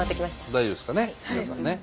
大丈夫ですかね皆さんね。